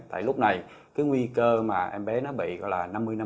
tại lúc này cái nguy cơ mà em bé nó bị gọi là năm mươi năm mươi